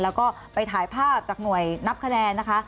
แล้วก็ไปถ่ายภาพจากหน่วยนับคะแนนนะคะ